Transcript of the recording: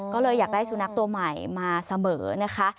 ก็เลยอยากได้สุนัขตัวใหม่มาเสมอนะคะ